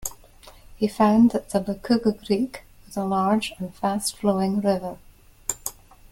He found that the Lukuga creek was a large and fast-flowing river.